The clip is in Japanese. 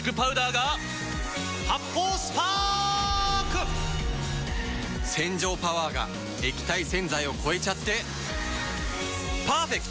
発泡スパーク‼洗浄パワーが液体洗剤を超えちゃってパーフェクト！